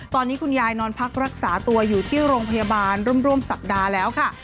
ตอนนี้คุณยายนอนพักรักษาตัวอยู่ที่โรงพยาบาลร่วมสัปดาห์แล้วค่ะ